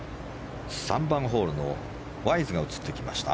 ３番ホールのワイズが映ってきました。